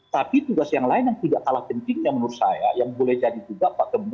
tapi tugas yang lain yang tidak kalah pentingnya menurut saya yang boleh jadi juga pak gembong